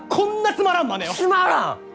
つまらん！？